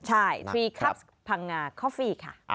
ใช่ฟรีคับพังงาคอฟฟี่ค่ะ